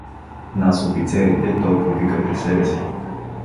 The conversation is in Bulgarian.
Нас, офицерите, той повика при себе си.